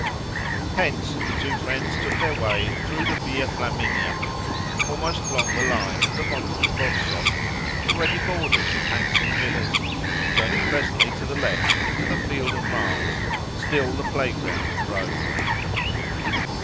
Hence the two friends took their way through the Via Flaminia, almost along the line of the modern Corso, already bordered with handsome villas, turning presently to the left, into the Field of Mars, still the playground of Rome.